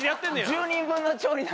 １０人分の調理なんで。